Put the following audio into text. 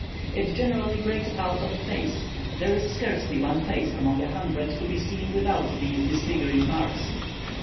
It generally breaks out on the face; there is scarcely one face among a hundred, to be seen without these disfiguring marks.